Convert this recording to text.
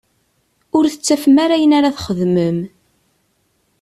Ur tettafem ara ayen ara txedmem.